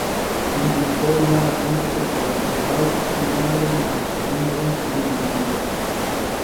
Wie im Vorjahr endete das Pokalfinale nach Verlängerung unentschieden.